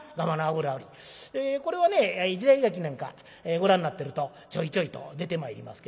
えこれはね時代劇なんかご覧になってるとちょいちょいと出てまいりますけどもね。